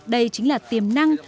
đây chính là tiềm năng